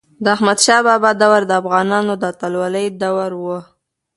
د احمد شاه بابا دور د افغانانو د اتلولی دوره وه.